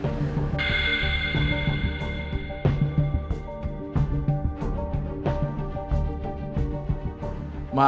maksudnya apa sih